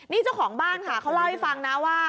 นี่เจ้าของบ้านค่ะเขาเล่าให้ฟังนะว่า